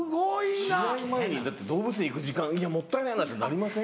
試合前にだって動物園行く時間もったいないなってなりません？